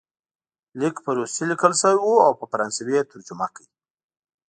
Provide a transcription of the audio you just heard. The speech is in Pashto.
لیک په روسي لیکل شوی وو او په فرانسوي یې ترجمه کړ.